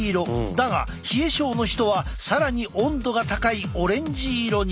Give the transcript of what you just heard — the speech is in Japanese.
だが冷え症の人は更に温度が高いオレンジ色に。